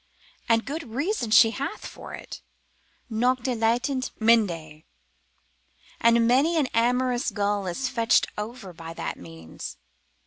And good reason she hath for it: Nocte latent mendae, and many an amorous gull is fetched over by that means.